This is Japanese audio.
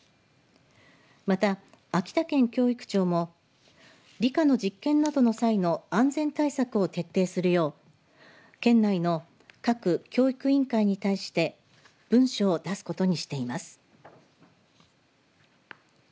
また、秋田県教育庁も理科の実験などの際の安全対策を徹底するよう県内の各教育委員会に対して文書を出すことにしています。